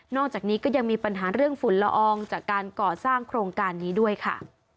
อกจากนี้ก็ยังมีปัญหาเรื่องฝุ่นละอองจากการก่อสร้างโครงการนี้ด้วยค่ะ